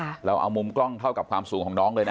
เราเอามุมกล้องเท่ากับความสูงของน้องเลยนะ